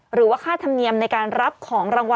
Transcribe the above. หรือว่าค่าธรรมเนียมในการรับของรางวัล